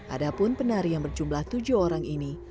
adapun penari yang berjumlah tujuh orang ini